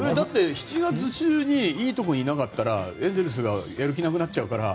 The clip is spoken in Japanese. ７月中にいいところにいなかったらエンゼルスがやる気なくなっちゃうから。